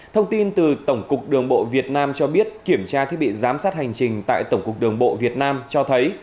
thông tin từ tổng cục đường bộ việt nam cho biết kiểm tra thiết bị giám sát hành trình tại tổng cục đường bộ việt nam cho thấy